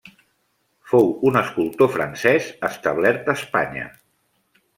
Fou un escultor francès, establert a Espanya.